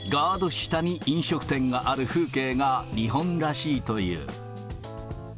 下に飲食店がある風景が、日本らしいという。